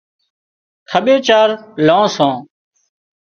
کٻير چار لان سان